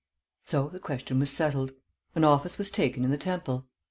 So the question was settled. An office was taken in the Temple.